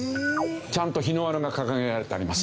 ちゃんと日の丸が掲げられてあります。